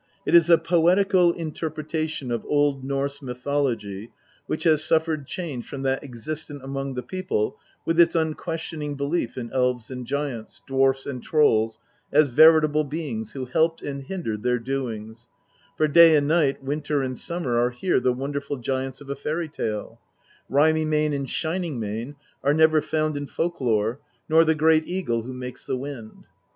It is a poetical interpretation of INTRODUCTION. xxi Old Norse mythology, which has suffered change from that existent among the people with its unquestioning belief in elves ;md giants, dwarfs and trolls as veritable beings who hlped and hindered their doings; for Day and Night, Winter and Summer are here the wonderful giants of a fairy tale ; Rimy mane and Shining mane are never found in folk lore, nor the great eagle who makes the wind.